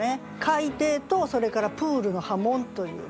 「海底」とそれから「プールの波紋」という。